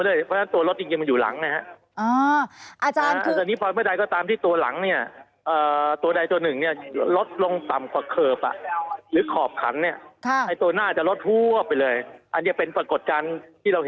ลดลงไปเยอะค่ะเดินได้